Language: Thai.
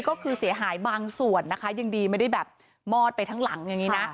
ก็คือเสียหายบางส่วนนะคะยังดีไม่ได้แบบมอดไปทั้งหลังอย่างนี้นะ